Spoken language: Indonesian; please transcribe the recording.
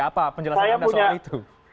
apa penjelasan anda soal itu